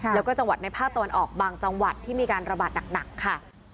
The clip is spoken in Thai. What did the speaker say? แล้วก็จังหวัดในภาคตะวันออกบางจังหวัดที่มีการระบาดหนักค่ะ